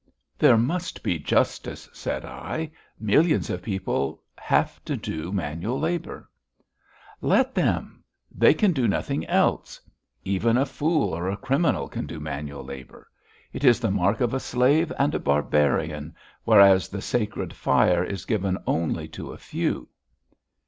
"There must be justice," said I. "Millions of people have to do manual labour." "Let them. They can do nothing else! Even a fool or a criminal can do manual labour. It is the mark of a slave and a barbarian, whereas the sacred fire is given only to a few!"